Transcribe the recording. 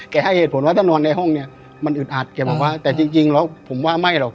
ให้เหตุผลว่าถ้านอนในห้องเนี่ยมันอึดอัดแกบอกว่าแต่จริงแล้วผมว่าไม่หรอก